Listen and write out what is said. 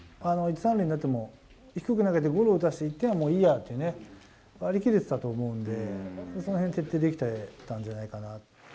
１・３塁になっても、低く投げてゴロを打たせて、１点はもういいやって割り切れてたと思うんで、そのへん、徹底できてたんじゃないかなぁ。